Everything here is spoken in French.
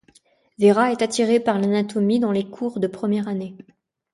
Vera est attirée par l'anatomie dans les cours de première année.